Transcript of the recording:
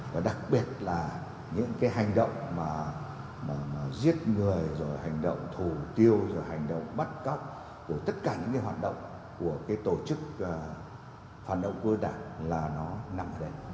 và đặc biệt là những hành động giết người hành động thù tiêu hành động bắt cóc của tất cả những hoạt động của tổ chức phản động quốc dân đảng là nó nằm ở đây